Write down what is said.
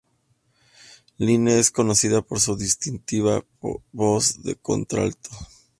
Lynne es conocida por su distintiva voz de contralto.